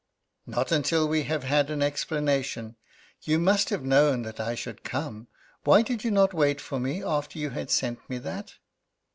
"Not until we have had an explanation. You must have known that I should come. Why did you not wait for me after you had sent me that?"